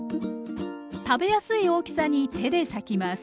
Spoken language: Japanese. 食べやすい大きさに手で裂きます。